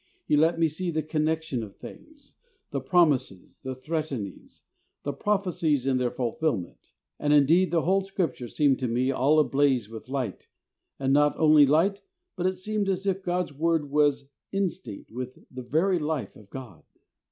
He let me see the connection of things, 60 THE soul winner's SECRET. the promises, the threatenings, the prophecies and their fulfillment; and indeed, the whole Scripture seemed to me all ablaze with light, and not only light, but it seemed as if God's Word was instinct with the very life of God."